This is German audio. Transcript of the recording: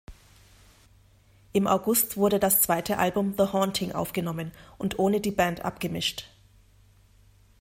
Im August wurde das zweite Album "The Haunting" aufgenommen und ohne die Band abgemischt.